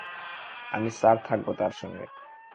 আমি স্যার থাকব তার সঙ্গে।